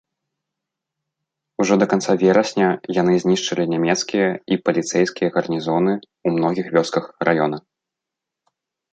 Ужо да канца верасня яны знішчылі нямецкія і паліцэйскія гарнізоны ў многіх вёсках раёна.